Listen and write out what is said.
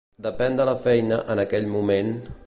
Depèn de la feina en aquell moment.